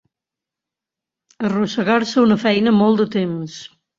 Arrossegar-se una feina molt de temps.